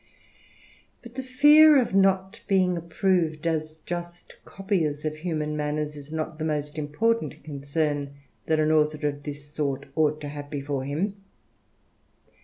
Eut the fear of not being approved as just copiers ( human manners, is not the most important concern that aa author of this sort ought to have before him.